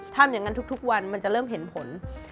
ทำอย่างนั้นทุกวันมันจะเริ่มเห็นผล